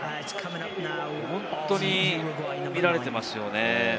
本当に見られていますよね。